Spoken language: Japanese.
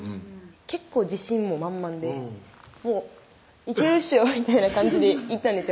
結構自信も満々でもういけるっしょみたいな感じでいったんですよ